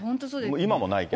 今もないけど。